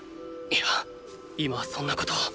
いや今はそんなことを！